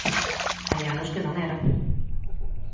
Hai anos que non era.